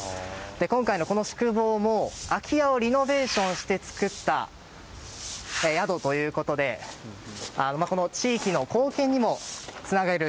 今回の、この宿坊も、空き家をリノベーションして作った宿ということで地域の貢献にもつなげる。